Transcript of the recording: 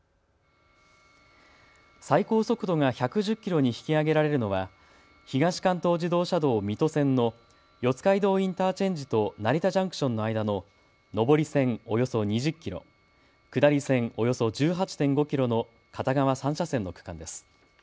最高速度が１１０キロに引き上げられるのは東関東自動車道水戸線の四街道インターチェンジと成田ジャンクションの間の上り線およそ２０キロ、下り線およそ１８．５キロの片側３車線の区間です。